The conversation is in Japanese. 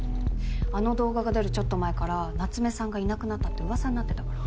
あの動画が出るちょっと前から夏目さんがいなくなったって噂になってたから。